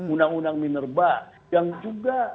undang undang minerba yang juga